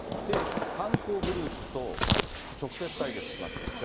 犯行グループと直接対決しますが。